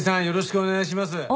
よろしくお願いします。